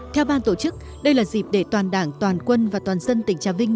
theo ban tổ chức đây là dịp để toàn đảng toàn quân và toàn dân tỉnh trà vinh